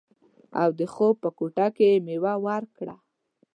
او د خوب په کوټه کې یې میوه وکړه